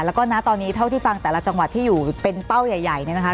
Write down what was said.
แล้วก็นะตอนนี้เท่าที่ฟังแต่ละจังหวัดที่อยู่เป็นเป้าใหญ่เนี่ยนะคะ